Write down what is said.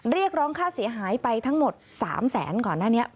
เรียกร้องค่าเสียหายไปทั้งหมด๓แสนก่อนหน้านี้